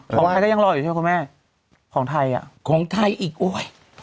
ไทยก็ยังรออยู่ที่ไทยของไทยอ่ะ